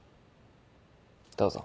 どうぞ。